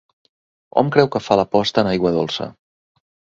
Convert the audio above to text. Hom creu que fa la posta en aigua dolça.